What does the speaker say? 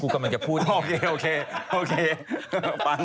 กูกำลังจะพูดไงโอเคฟัง